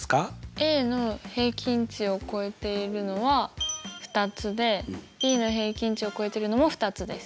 Ａの平均値を超えているのは２つでＢの平均値を超えてるのも２つです。